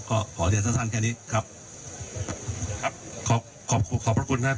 ขอเสียงสั้นสั้นแค่นี้ครับครับขอโปขอบคุณครับ